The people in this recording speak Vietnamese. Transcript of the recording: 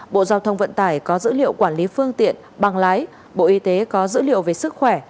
bộ giao thông vận tải có dữ liệu quản lý phương tiện bằng lái bộ y tế có dữ liệu về sức khỏe